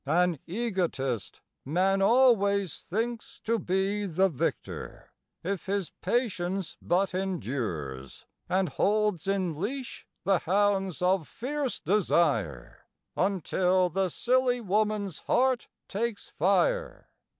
(An egotist, man always thinks to be The victor, if his patience but endures, And holds in leash the hounds of fierce desire, Until the silly woman's heart takes fire.)